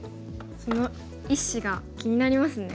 その１子が気になりますね。